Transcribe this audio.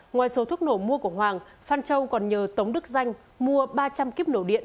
ngoài số thuốc nổ mua của hoàng phan châu còn nhờ tống đức danh mua ba trăm linh kíp nổ điện